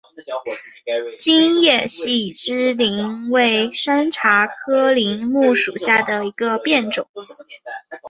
金叶细枝柃为山茶科柃木属下的一个变种。